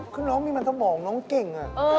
คือน้องนี่มันสมองน้องเก่ง